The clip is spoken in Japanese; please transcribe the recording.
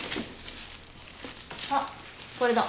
あっこれだ。